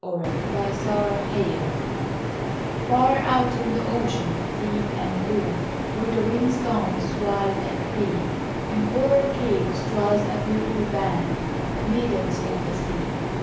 Maidens of the Sea Far out in the ocean, deep and blue, Where the winds dance wild and free, In coral caves, dwells a beautiful band The maidens of the sea.